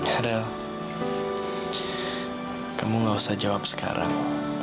hadal kamu gak usah jawab sekarang